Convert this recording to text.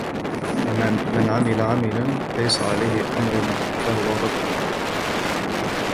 مَنْ عَمِلَ عَمَلاً لَيْسَ عَلَيهِ أَمْرُنا فَهُوَ رَدٌّ